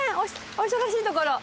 お忙しいところ。